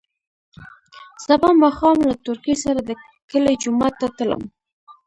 سبا ماښام له تورکي سره د کلي جومات ته تلم.